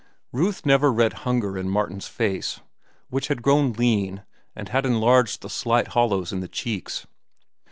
Ruth never read hunger in Martin's face, which had grown lean and had enlarged the slight hollows in the cheeks.